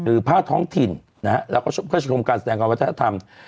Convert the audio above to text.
หรือภาพท้องถิ่นแล้วก็เครื่องการแสดงความประทับธรรม